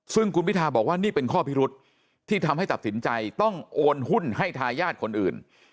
ซึ่งคุณพิทาบอกว่านี่เป็นข้อพิรุษที่ทำให้ตัดสินใจต้องโอนหุ้นให้ทายาทคนอื่น